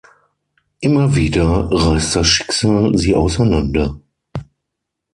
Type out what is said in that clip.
Immer wieder reißt das Schicksal sie auseinander.